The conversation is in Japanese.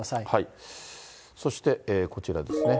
そしてこちらですね。